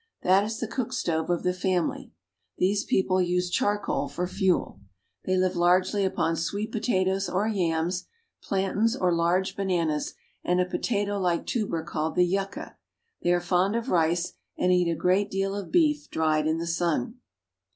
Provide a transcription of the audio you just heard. That is the cook stove of the family. These people use charcoal for fuel. They live largely upon sweet potatoes or yams, plantains or large bananas, and a potatolike tuber called the yucca. They are fond of rice, and eat a great deal of beef dried in the sun.